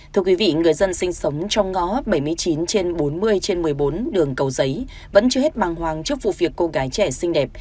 thưa quý vị người dân sinh sống trong ngõ bảy mươi chín trên bốn mươi trên một mươi bốn đường cầu giấy vẫn chưa hết bằng hoàng trước vụ việc cô gái trẻ xinh đẹp